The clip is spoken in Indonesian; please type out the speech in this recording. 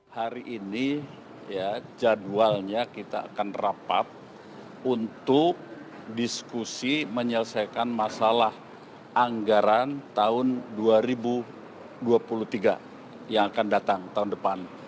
hari ini jadwalnya kita akan rapat untuk diskusi menyelesaikan masalah anggaran tahun dua ribu dua puluh tiga yang akan datang tahun depan